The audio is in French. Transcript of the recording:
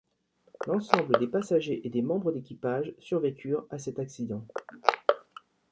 L'ensemble des passagers et des membres d'équipage survécurent à cet accident.